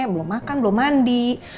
belum makan belum mandi